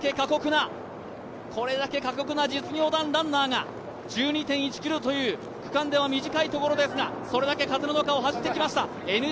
これだけ過酷な実業団ランナーが、１２．１ｋｍという、区間では短いところですが、それだけ風の中を走ってきました。